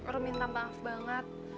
rum minta maaf banget